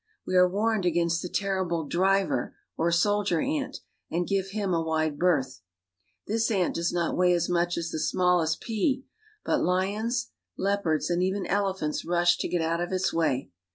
We are "warned against the terrible driver or soldier ant, and give him a wide berth. This ant does not weigh as much as the smallest pea, but lions, leopards, and even elephants ^h to get out of its way.